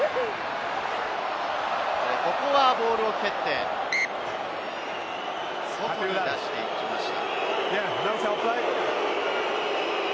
ここはボールを蹴って外に出していきました。